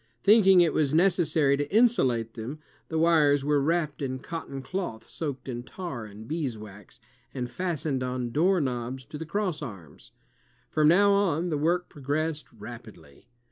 Thinking it was necessary to insulate them, the wires were wrapped in cotton cloth soaked in tar and beeswax, and fastened on door knobs to the crossarms. From now on, the work progressed rapidly.